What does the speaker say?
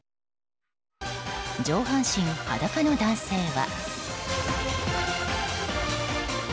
上半身裸の男性は。